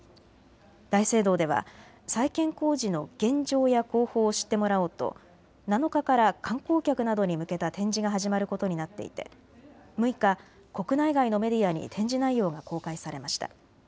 大聖堂では再建工事の現状や工法を知ってもらおうと７日から観光客などに向けた展示が始まることになっていて６日、国内外のメディアに展示内容が公開されました。